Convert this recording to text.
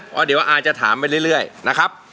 เพราะเดี๋ยวอายจะถามไปเรื่อยนะครับ